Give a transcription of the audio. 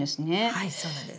はいそうなんです。